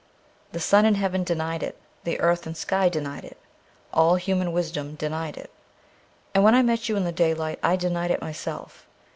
The sun in heaven denied it, the earth and sky denied it, all human wisdom denied it. And when I met you in the daylight I denied it myself.